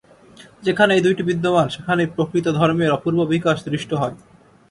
যেখানে এই দুইটি বিদ্যমান সেখানেই প্রকৃত ধর্মের অপূর্ব বিকাশ দৃষ্ট হয়।